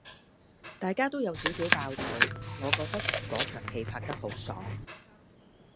大家都有少少爆肚，我覺得果場拍得好爽